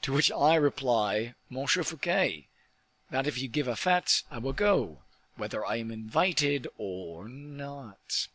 "To which I reply, Monsieur Fouquet, that if you give a fete, I will go, whether I am invited or not."